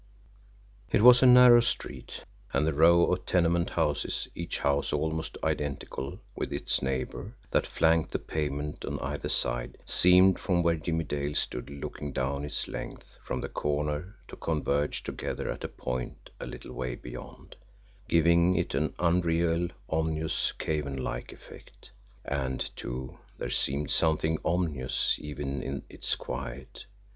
It was a narrow street, and the row of tenement houses, each house almost identical with its neighbour, that flanked the pavement on either side, seemed, from where Jimmie Dale stood looking down its length, from the corner, to converge together at a point a little way beyond, giving it an unreal, ominous, cavernlike effect. And, too, there seemed something ominous even in its quiet.